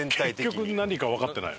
結局何かわかってない。